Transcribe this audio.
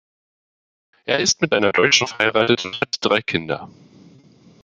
Er ist mit einer Deutschen verheiratet und hat drei Kinder.